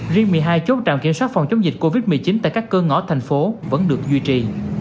riêng một mươi hai chốt trạm kiểm soát phòng chống dịch covid một mươi chín tại các cơ ngõ thành phố vẫn được duy trì